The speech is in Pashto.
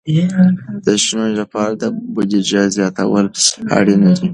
د ښوونې لپاره بودیجه زیاتول اړین دي.